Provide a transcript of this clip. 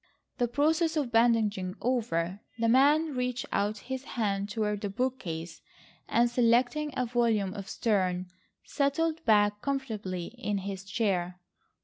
The process of bandaging over, the man reached out his hand toward the bookcase and, selecting a volume of Sterne, settled back comfortably in his chair.